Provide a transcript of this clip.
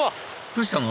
どうしたの？